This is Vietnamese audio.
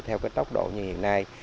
theo cái tốc độ như hiện nay